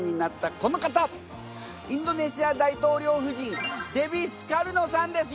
インドネシア大統領夫人デヴィ・スカルノさんです。